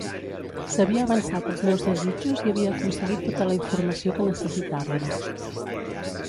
S'havia avançat als meus desitjos i havia aconseguit tota la informació que necessitàvem.